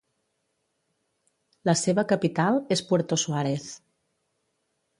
La seva capital és Puerto Suárez.